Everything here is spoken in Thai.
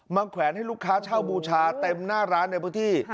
แขวนให้ลูกค้าเช่าบูชาเต็มหน้าร้านในพื้นที่